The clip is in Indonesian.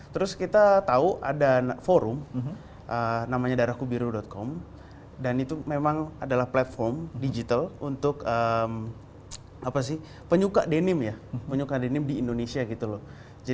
terus kita tahu ada forum namanya darahkubiru com dan itu memang adalah platform digital untuk penyuka denim di indonesia